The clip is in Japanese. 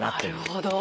なるほど。